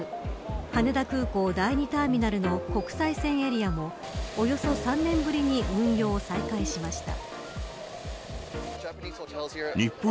羽田空港第２ターミナルの国際線エリアもおよそ３年ぶりに運用を再開しました。